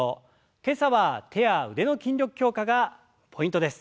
今朝は手や腕の筋力強化がポイントです。